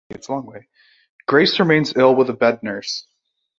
Grace remains ill with a bed nurse.